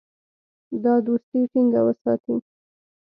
دا دوستي ټینګه وساتي.